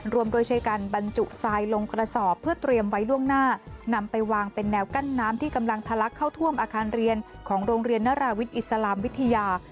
รวมโดยใช้การบรรจุทรายลงกระสอบเพื่อเตรียมไว้ล่วงหน้านำไปวางเป็นแนวกั้นน้ำที่กำลังทะลักเข้าท่วมอาคารเรียนของโรงเรียนนราวิทย์อิสลามวิทยา